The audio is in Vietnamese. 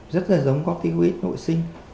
rất là giống copticoid nội sinh